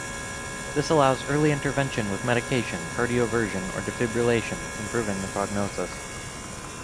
This allows early intervention with medication, cardioversion or defibrillation, improving the prognosis.